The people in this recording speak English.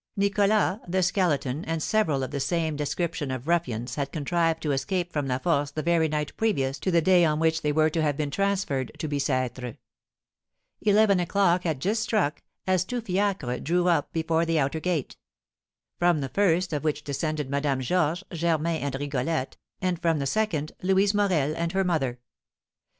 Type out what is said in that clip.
Nicholas, the Skeleton, and several of the same description of ruffians had contrived to escape from La Force the very night previous to the day on which they were to have been transferred to Bicêtre. Eleven o'clock had just struck as two fiacres drew up before the outer gate; from the first of which descended Madame Georges, Germain, and Rigolette, and from the second Louise Morel and her mother.